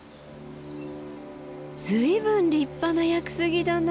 随分立派な屋久杉だな。